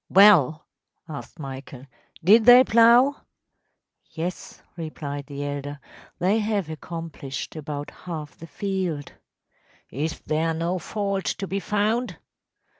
‚ÄúWell,‚ÄĚ asked Michael, “did they plough?‚ÄĚ ‚ÄúYes,‚ÄĚ replied the elder; “they have accomplished about half the field.‚ÄĚ “Is there no fault to be found?